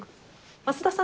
桝田さん